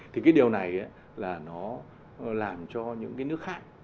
thì cái điều này là nó làm cho những cái nước khác